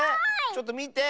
ちょっとみて！